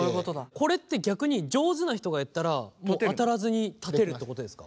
これって逆に上手な人がやったら当たらずに立てるってことですか？